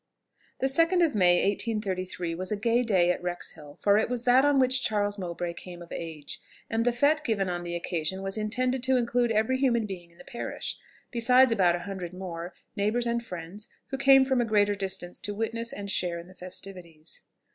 The 2nd of May 1833 was a gay day at Wrexhill, for it was that on which Charles Mowbray came of age, and the fête given on the occasion was intended to include every human being in the parish, besides about a hundred more, neighbours and friends, who came from a greater distance to witness and share in the festivities.